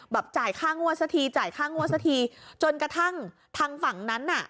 จ่ายค่างวดสักทีจ่ายค่างวดสักทีจนกระทั่งทางฝั่งนั้นน่ะ